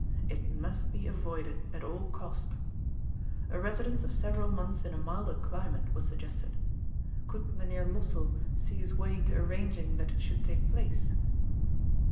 It must be avoided at all cost A residence of sev eral months in a milder climate was suggested. Could Mynheer Lossell see his way to arranging that it should take place?